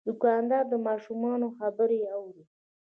دوکاندار د ماشومانو خبرې اوري.